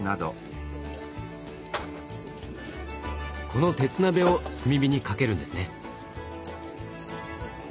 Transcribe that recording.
この鉄鍋を炭火にかけるんですね。